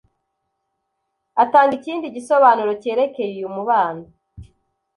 atanga ikindi gisobanuro cyerekeye uyu mubano